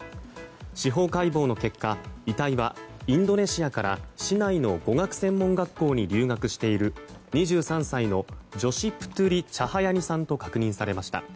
司法解剖の結果遺体はインドネシアから市内の語学専門学校に留学している２３歳のジョシ・プトゥリ・チャハヤニさんと確認されました。